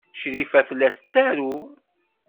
Crifa tella tettaru.